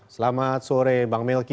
selamat sore bang melki